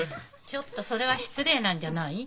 ちょっとそれは失礼なんじゃない？